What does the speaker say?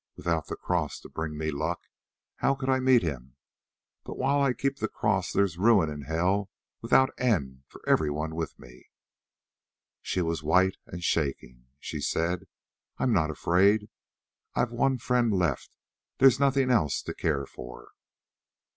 Without the cross to bring me luck, how could I meet him? But while I keep the cross there's ruin and hell without end for everyone with me." She was white and shaking. She said: "I'm not afraid. I've one friend left; there's nothing else to care for."